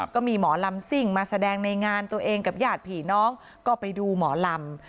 ก็มีหมอลำซิ่งมาแสดงในงานตัวเองกับญาติผีน้องก็ไปดูหมอลำ